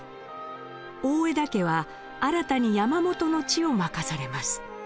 大條家は新たに山元の地を任されます。